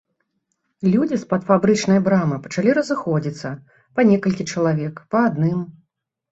Людзі з-пад фабрычнай брамы пачалі разыходзіцца, па некалькі чалавек, па адным.